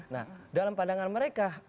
nah dalam pandangan mereka